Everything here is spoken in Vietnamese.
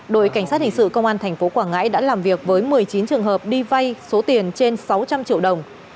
đội cảnh sát hình sự công an tp quảng ngãi đã làm việc với một mươi chín trường hợp đi vay số tiền trên sáu trăm linh triệu đồng